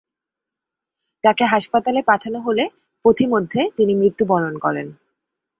তাকে হাসপাতালে পাঠানো হলে পথিমধ্যে তিনি মৃত্যুবরণ করেন।